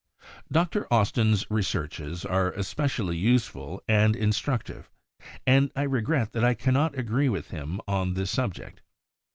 Dr. Austin's researches are es pecially useful and instructive and 1 regret that I cannot agree with him on this subject.